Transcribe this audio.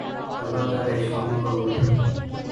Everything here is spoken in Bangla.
আল্লাহ তাআলাই সম্যক অবগত।